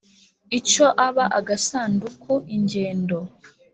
Icyo aba agasanduku ingendo